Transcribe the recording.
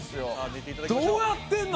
どうやってんの？